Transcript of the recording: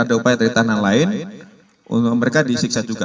ada upaya dari tanah lain untuk mereka disiksa juga